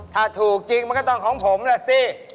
ถ้าถูกจริงมันก็ต้องของผมแหละสิ